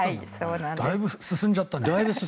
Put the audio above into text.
だいぶ進んじゃったね。